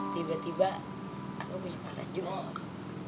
tiba tiba aku punya perasaan juga sama